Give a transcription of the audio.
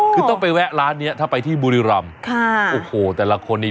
คือต้องไปแวะร้านเนี้ยถ้าไปที่บุรีรำค่ะโอ้โหแต่ละคนนี้